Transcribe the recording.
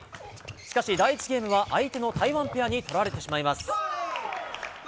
しかし第１ゲームは相手の台湾ペアに取られてしまいます。